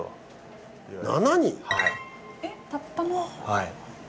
はい。